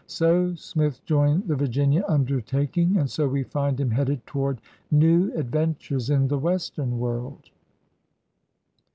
'' So Smith joined the Virginia undertaking, and so we find hun headed toward new adventures in the western world.